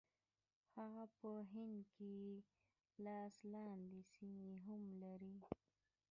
هغه په هند کې لاس لاندې سیمې هم لري.